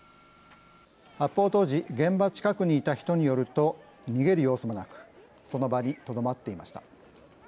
発砲当時現場近くにいた人によると逃げる様子もなくその場にとどまっていました。